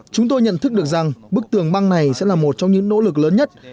chúng tôi nhận thức được rằng bức tường băng này sẽ là một trong những nỗ lực lớn nhất